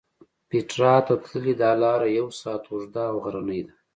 پېټرا ته تللې دا لاره یو ساعت اوږده او غرنۍ ده.